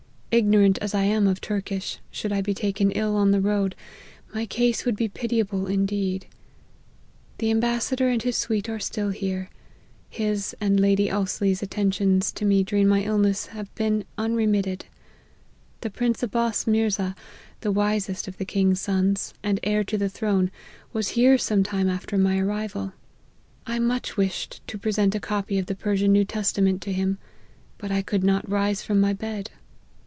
Ignorant as I am of Turkish, should I be taken ill on the road, my case would be pitiable indeed. The ambassador and his suite are still here ; his and Lady Ousely's attentions to me during my ill' ness have been unremitted. The prince Abbas Mirza, the wisest of the king's sons, and heir to the throne, was here some time after my arrival. I much wished to present a copy of the Persian LIFE OF HENRY MARTYN. 177 New Testament to him, but I could not rise from my bed.